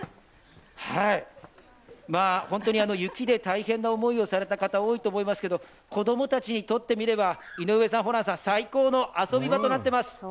本当に雪で大変な思いをされた方、多いと思いますけれども、子供たちにとってみれば最高の遊び場となっています。